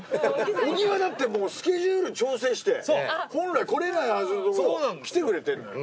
小木はだってもうスケジュール調整して本来来れないはずのとこ来てくれてんのよ